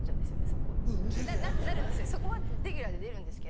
そこはレギュラーで出るんですけど。